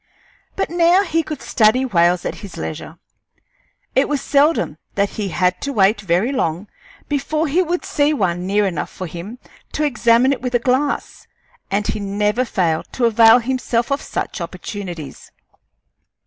But now he could study whales at his leisure. It was seldom that he had to wait very long before he would see one near enough for him to examine it with a glass, and he never failed to avail himself of such opportunities.